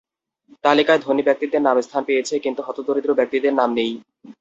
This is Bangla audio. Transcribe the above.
তালিকায় ধনী ব্যক্তিদের নাম স্থান পেয়েছে, কিন্তু হতদরিদ্র ব্যক্তিদের নাম নেই।